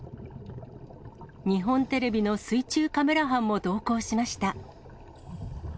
日本テレビの水中カメラ班も同行しました。